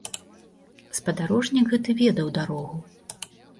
Спадарожнік гэты ведаў дарогу.